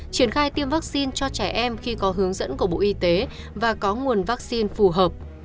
triển khai tiêm vaccine cho trẻ em khi có hướng dẫn của bộ y tế và có nguồn vaccine phù hợp